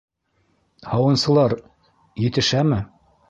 Һауынсылар... етешәме?